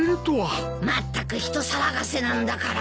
まったく人騒がせなんだから。